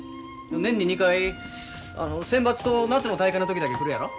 年に２回センバツと夏の大会の時だけ来るやろ。